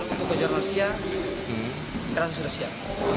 untuk kejuaraan malaysia sekarang sudah siap